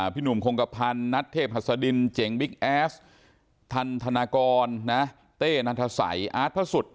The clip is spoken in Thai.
พี่หนุ่มคงกระพันธ์นัทเทพหัสดินเจ๋งบิ๊กแอสทันธนากรเต้นัทสัยอาร์ตพระสุทธิ์